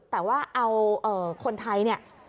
แต่ว่าเอาคนไทยเนี่ย